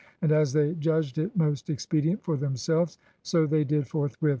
And as they judged it most expedient for themselves, so they did forthwith.